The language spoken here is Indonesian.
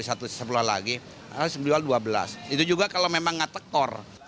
satu satu lagi sejumlah rp dua belas itu juga kalau memang ngetektor